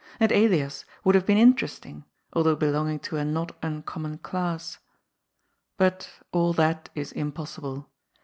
And Elias would have been interesting, although belonging to a not uncommon class. But all that is impossible.